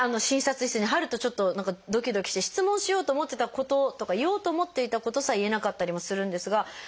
診察室に入るとちょっと何かドキドキして質問しようと思ってたこととか言おうと思っていたことさえ言えなかったりもするんですが。